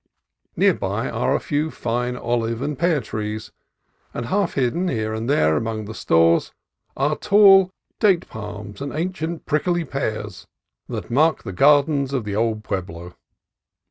Near by are a few fine olive and pear trees; and half hidden here and there among the stores are tall date palms and ancient prickly pears that mark the gardens of the old pueblo.